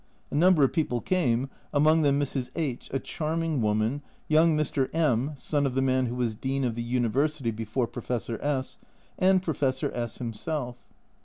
A number of people came, among them Mrs. H , a charming woman, young Mr. M , son of the man who was Dean of the University before Professor S , and Professor S himself.